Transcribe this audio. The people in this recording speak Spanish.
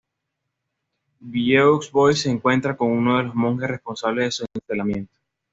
Vieux Bois se encuentra con uno de los monjes responsables de su encarcelamiento.